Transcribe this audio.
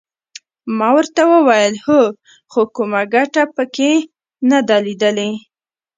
ما ورته وویل هو خو کومه ګټه مې پکې نه ده لیدلې.